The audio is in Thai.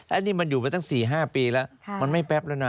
อันนี้มันอยู่ไปตั้ง๔๕ปีแล้วมันไม่แป๊บแล้วนะ